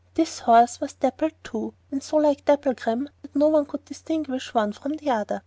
This horse was dappled too, and so like Dapplegrim that no one could distinguish the one from the other.